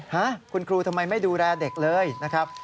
ฮะคุณครูทำไมไม่ดูแลเด็กเลยนะครับ